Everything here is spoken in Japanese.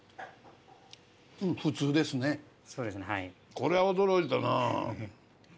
これは驚いたなあ。